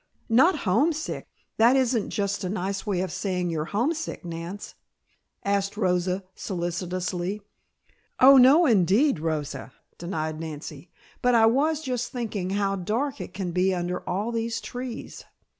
"Not homesick? That isn't just a nice way of saying you're homesick, Nance?" asked Rosa solicitously. "Oh, no indeed, Rosa," denied Nancy. "But I was just thinking how dark it can be under all these trees."